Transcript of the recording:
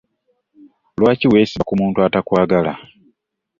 Lwaki wesiba ku muntu atakwagala?